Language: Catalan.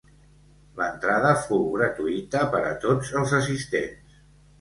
L'entrada fou gratuïta per a tots els assistents.